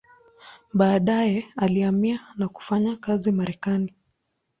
Baadaye alihamia na kufanya kazi Marekani.